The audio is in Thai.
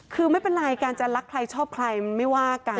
คือไม่เป็นไรการจะรักใครชอบใครไม่ว่ากัน